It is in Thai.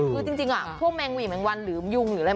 คือจริงพวกแมงหวีแมงวันหรือยุงหรืออะไร